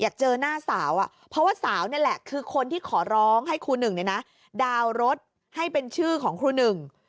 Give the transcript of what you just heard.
อยากเจอหน้าสาวอ่ะเพราะว่าสาวนี่แหละคือคนที่ขอร้องให้ครูหนึ่งเนี่ยนะดาวน์รถให้เป็นชื่อของครูหนึ่ง